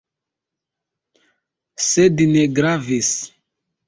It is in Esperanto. Sed ne gravis!